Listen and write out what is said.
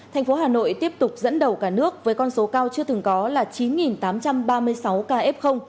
thành phố hà nội tiếp tục dẫn đầu cả nước với con số cao chưa từng có là chín tám trăm ba mươi sáu ca f